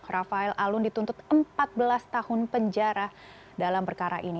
rafael alun dituntut empat belas tahun penjara dalam perkara ini